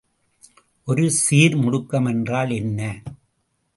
ஒருசீர் முடுக்கம் என்றால் என்ன?